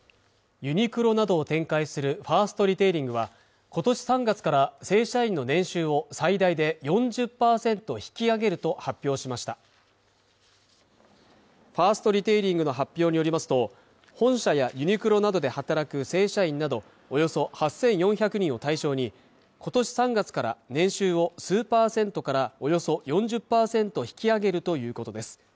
ユニクロなどを展開するファーストリテイリングは今年３月から正社員の年収を最大で４０％引き上げると発表しましたファーストリテイリングの発表によりますと本社やユニクロなどで働く正社員などおよそ８４００人を対象に今年３月から年収を数％からおよそ４０％引き上げるということです